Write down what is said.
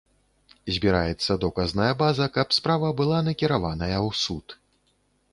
Збіраецца доказная база, каб справа была накіраваная ў суд.